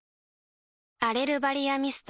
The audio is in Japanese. アレルバリアミスト